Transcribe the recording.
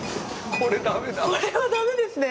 これは駄目ですね。